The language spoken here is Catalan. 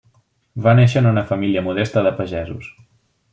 Va néixer en una família modesta de pagesos.